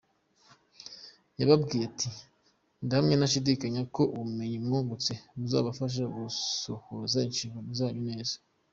Yababwiye ati, "Ndahamya ndashidikanya ko ubumenyi mwungutse buzabafasha gusohoza inshingano zanyu neza.